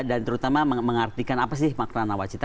dan terutama mengartikan apa sih makna nawacita